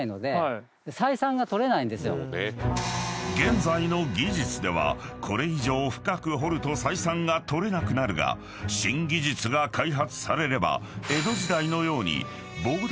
［現在の技術ではこれ以上深く掘ると採算が取れなくなるが新技術が開発されれば］